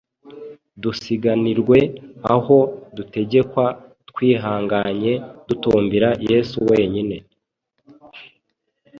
dusiganirwe aho dutegekwa twihanganye dutumbira yesu wenyine,